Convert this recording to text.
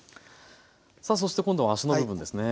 さあそして今度は足の部分ですね